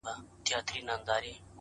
د زغم ځواک د شخصیت نښه ده.!